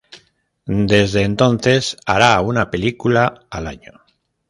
Desde entonces hará una película al año.